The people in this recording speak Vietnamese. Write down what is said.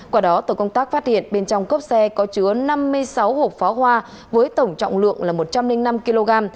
quả đó tổ công tác phát hiện bên trong cốp xe có chứa năm mươi sáu hộp pháo hoa với tổng trọng lượng là một trăm linh năm kg